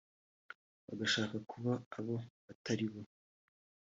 bagashaka kuba abo batari bo